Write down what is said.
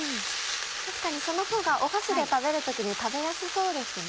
確かにそのほうが箸で食べる時に食べやすそうですね。